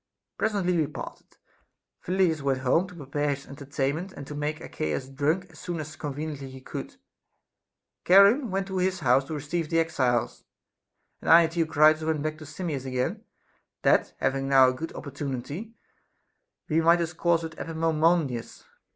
Presently we parted. Phyl lidas went home to prepare his entertainment, and to make Archias drunk as soon as conveniently he could ; Charon went to his house to receive the exiles ; and I and Theo critus went back to Simmias again, that having now a good opportunity, we might discourse with Epaminondas.